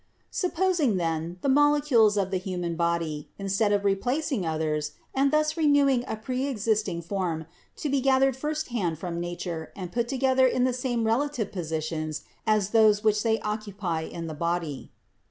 "Supposing, then, the molecules of the human body, instead of replacing others, and thus renewing a preexist ing form, to be gathered first hand from nature and put together in the same relative positions as those which they occupy in the body.